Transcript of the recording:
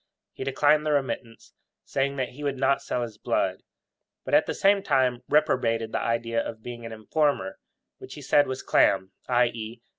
He declined the remittance, saying that he would not sell his blood; but at the same time reprobated the idea of being an informer, which he said was clam, i.e.